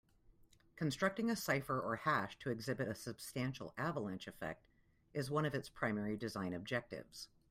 Constructing a cipher or hash to exhibit a substantial avalanche effect is one of its primary design objectives.